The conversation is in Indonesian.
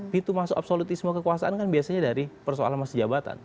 pintu masuk absolutisme kekuasaan kan biasanya dari persoalan masa jabatan